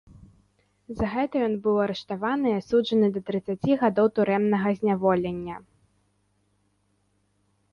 За гэта ён быў арыштаваны і асуджаны да трыццаці гадоў турэмнага зняволення.